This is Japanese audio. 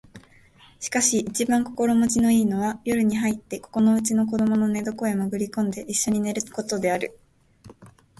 しかし一番心持ちの好いのは夜に入ってここのうちの子供の寝床へもぐり込んで一緒に寝る事である